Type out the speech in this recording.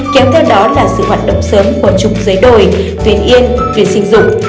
kéo theo đó là sự hoạt động sớm của trục giấy đổi tuyến yên tuyến sinh dụng